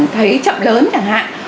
thấy chậm lớn chẳng hạn